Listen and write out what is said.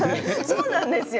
そうなんですよ。